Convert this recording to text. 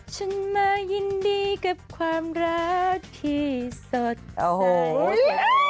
ฉันมายินดีกับความรักที่สดโอ้โห